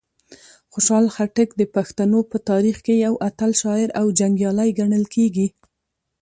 خوشحال خټک د پښتنو په تاریخ کې یو اتل شاعر او جنګیالی ګڼل کیږي.